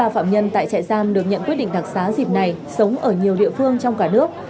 bốn mươi ba phạm nhân tại chạy giam được nhận quyết định đặc sá dịp này sống ở nhiều địa phương trong cả nước